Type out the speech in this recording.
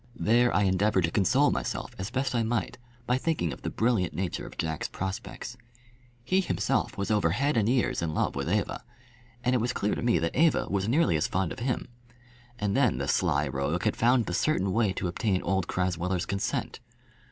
There I endeavoured to console myself as best I might by thinking of the brilliant nature of Jack's prospects. He himself was over head and ears in love with Eva, and it was clear to me that Eva was nearly as fond of him. And then the sly rogue had found the certain way to obtain old Crasweller's consent.